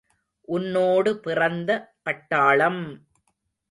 உன்னோடு பிறந்த பட்டாளம்!